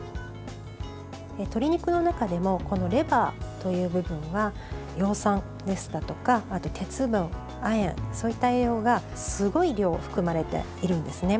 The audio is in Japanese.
鶏肉の中でもレバーという部分は葉酸ですとか、鉄分、亜鉛そういった栄養がすごい量、含まれているんですね。